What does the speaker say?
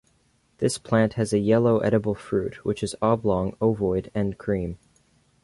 This plant has a yellow edible fruit which is oblong ovoid and cream.